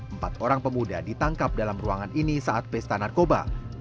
empat orang pemuda ditangkap dalam ruangan ini saat pesta narkoba